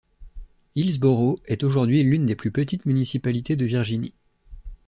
Hillsboro est aujourd'hui l'une des plus petites municipalités de Virginie.